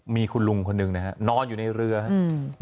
มีคุณลุงคนหนึ่งนะฮะนอนอยู่ในเรือครับ